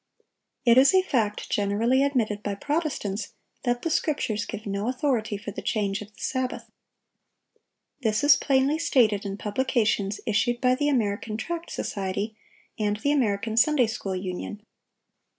(753) It is a fact generally admitted by Protestants, that the Scriptures give no authority for the change of the Sabbath. This is plainly stated in publications issued by the American Tract Society and the American Sunday school Union.